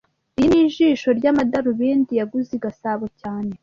Iyi ni jisho ry'amadarubindi yaguze i Gasabo cyane